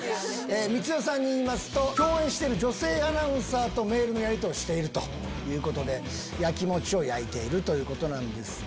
光代さんに言いますと共演している女性アナウンサーとメールのやり取りしているということで。ということなんですが。